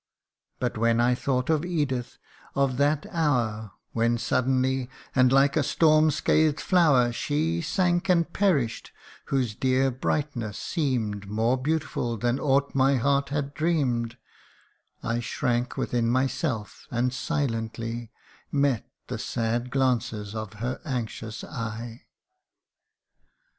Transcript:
But when I thought of Edith of that hour When suddenly, and like a storm scathed flower She sank and perish 'd, whose dear brightness seem'd More beautiful than aught my heart had dream 'd I shrank within myself, and silently Met the sad glances of her anxious eye.